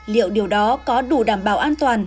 liệu điều đó có đủ đảm bảo an toàn